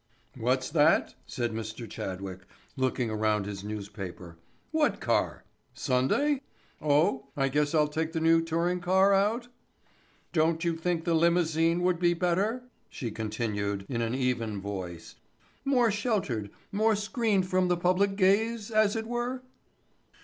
"What's that?", said Mr. Chadwick looking around his newspaper. "What car? Sunday? Oh, I guess I'll take the new touring car out?" "Don't you think the limousine would be better?", she continued in an even voice. "More sheltered, more screened from the public gaze as it were?"